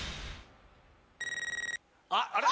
あっあら？